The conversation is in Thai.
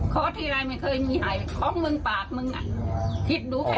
ทีไรไม่เคยมีให้ของมึงปากมึงอ่ะคิดดูแค่